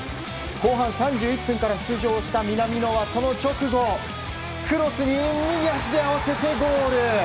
後半３１分から出場した南野はその直後、クロスに右足で合わせてゴール！